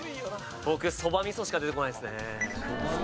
僕そば味噌しか出てこないですね。